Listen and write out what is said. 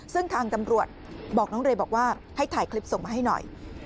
ซึ่งทางตำรวจบอกน้องเรย์บอกว่าให้ถ่ายคลิปส่งมาให้หน่อย